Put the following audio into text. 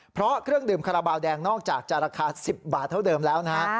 เพราะเครื่องดื่มคาราบาลแดงนอกจากจะราคา๑๐บาทเท่าเดิมแล้วนะฮะ